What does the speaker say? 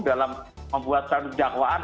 dalam membuat satu dakwaan